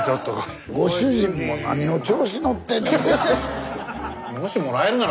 スタジオご主人も何を調子乗ってんねん！